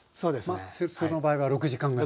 まあその場合は６時間ぐらい？